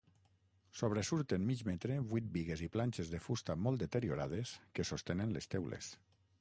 Sobresurten mig metre vuit bigues i planxes de fusta molt deteriorades que sostenen les teules.